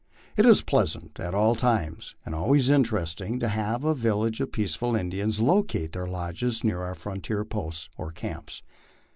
It is pleasant at all times, and always interesting, to have a village of peaceable Indians locate their lodges near our frontier posts or camps.